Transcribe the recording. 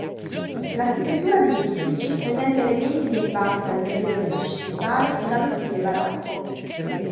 L'architettura degli edifici presenta elementi derivati dal periodo Rinascimentale e dallo stile barocco.